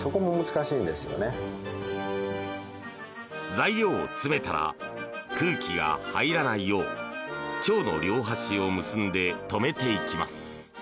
材料を詰めたら空気が入らないよう腸の両端を結んで留めていきます。